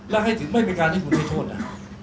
และให้ถึงไม่เป็นการที่คุณมีโทษนะ